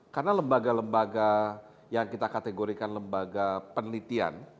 karena lembaga lembaga yang kita kategorikan lembaga penelitian